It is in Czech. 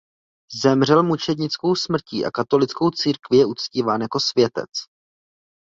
Zemřel mučednickou smrtí a katolickou církví je uctíván jako světec.